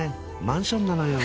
マンションなのよ。